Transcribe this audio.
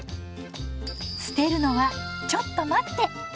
捨てるのはちょっと待って！